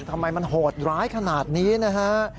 ทำไมมันโหดร้ายขนาดนี้นะฮะ